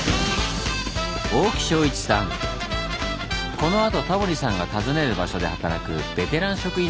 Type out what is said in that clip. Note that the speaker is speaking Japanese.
このあとタモリさんが訪ねる場所で働くベテラン職員さんです。